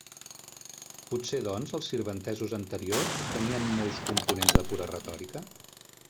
Potser, doncs, els sirventesos anteriors tenien molts components de pura retòrica?